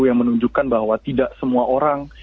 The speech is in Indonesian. yang menunjukkan bahwa tidak semua orang